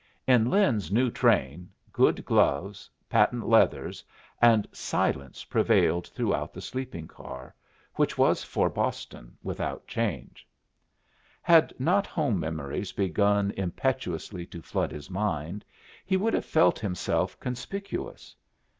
In Lin's new train, good gloves, patent leathers, and silence prevailed throughout the sleeping car, which was for Boston without change. Had not home memories begun impetuously to flood his mind, he would have felt himself conspicuous.